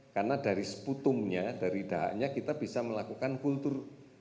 karena dari seputungnya dari dahanya kita bisa melakukan kultur